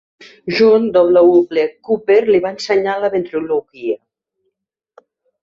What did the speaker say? John W. Cooper li va ensenyar la ventrilòquia.